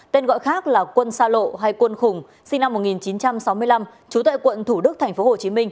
tên gọi khác là quân sa lộ hay quân khủng sinh năm một nghìn chín trăm sáu mươi năm trú tại quận thủ đức tp hcm